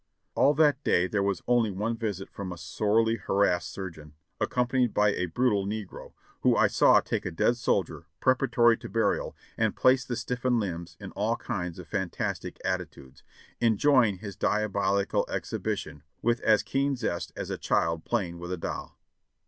All that day there was only one visit from a sorely harassed surgeon, accompanied by a brutal negro, who I saw take a dead soldier, preparatory to burial, and place the stiffened limbs in all kinds of fantastic attitudes, enjoying his diabolical exhibition with as keen zest as a child playing with a doll.